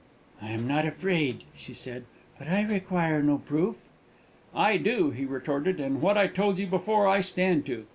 "I am not afraid," she said; "but I require no proof!" "I do," he retorted, "and what I told you before I stand to.